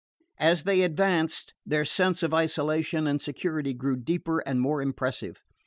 As they advanced this sense of isolation and security grew deeper and more impressive.